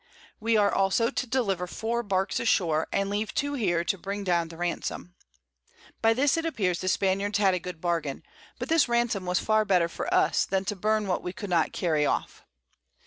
We are also to deliver 4 Barks ashore, and leave two here to bring down the Ransom. By this it appears the Spaniards had a good Bargain; but this Ransom was far better for us than to burn what we could not carry off.